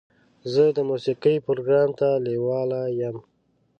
زه د موسیقۍ پروګرام ته لیواله یم.